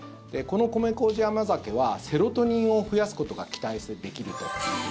この米麹甘酒はセロトニンを増やすことが期待できると。